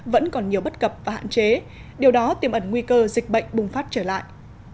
vẫn còn nhiều bất cập và hạn chế điều đó tiêm ẩn nguy cơ dịch bệnh bùng phát trở lại